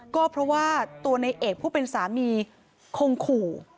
ก็เพราะว่าตัวในเอกผู้เป็นสามีคงขู่